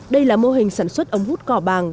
đây là mô hình sản xuất ống hút cỏ bàng